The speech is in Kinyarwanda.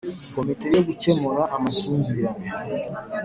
Komite yo gukemura amakimbirane.